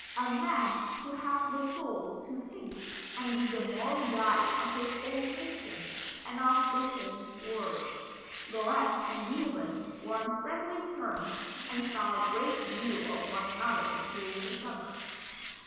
A man who has the soul to think and be the moral guide of his own nation and of the whole world." Goethe and Beethoven were on friendly terms and saw a good deal of one another during this summer.